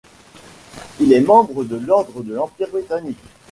Il est membre de l'Ordre de l'Empire britannique.